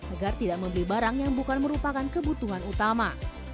agar tidak membeli barang yang bukan merupakan kebutuhan utama